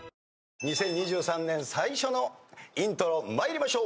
２０２３年最初のイントロ参りましょう。